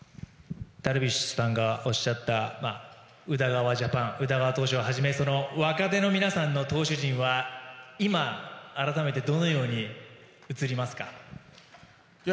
ダルビッシュさんがおっしゃった宇田川ジャパン宇田川投手をはじめ若手の皆さんの投手陣は今、改めてどのように映りますか？